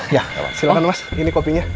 ya silahkan mas ini kopinya